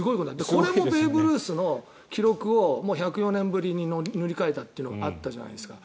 これもベーブ・ルースの記録を１０４年ぶりに塗り替えたというのがあったじゃないですか。